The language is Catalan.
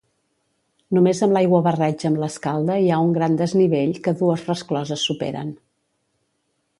Només amb l'aiguabarreig amb l'Escalda hi ha un gran desnivell que dues rescloses superen.